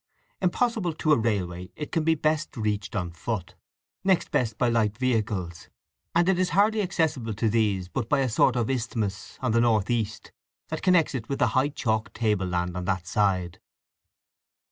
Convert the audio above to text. Impossible to a railway, it can best be reached on foot, next best by light vehicles; and it is hardly accessible to these but by a sort of isthmus on the north east, that connects it with the high chalk table land on that side.